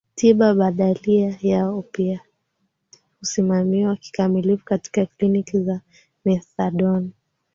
tiba badalia ya opiati husimamiwa kikamilifu katika kliniki za methadoni